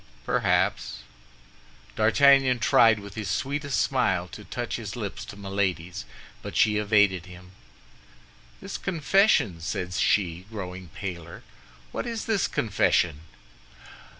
"Perhaps." D'Artagnan tried with his sweetest smile to touch his lips to Milady's, but she evaded him. "This confession," said she, growing paler, "what is this confession?"